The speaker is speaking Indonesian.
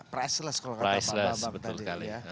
priceless kalau kata pak bambang tadi ya